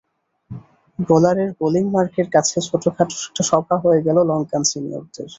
বোলারের bowling মার্কের কাছে ছোটখাটো একটা সভা হয়ে গেল লঙ্কান সিনিয়রদের।